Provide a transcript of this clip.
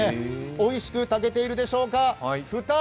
おいしく炊けているでしょうか。